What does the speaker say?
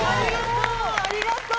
ありがとう。